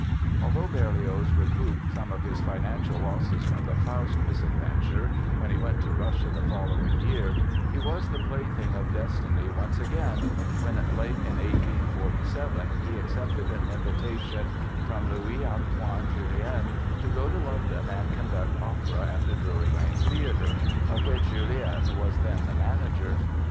Although Berlioz recouped some of his financial losses from the "Faust" misadventure when he went to Russia the following year he was the plaything of destiny once again when, late in 1847, he accepted an invitation from Louis Antoine Jullien to go to London and conduct opera at the Drury Lane Theatre, of which Jullien was then the manager.